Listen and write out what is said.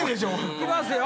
いきますよ